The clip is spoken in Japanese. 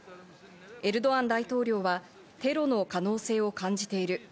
エルドアン大統領はテロの可能性を感じている。